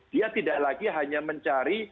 dia tidak lagi hanya mencari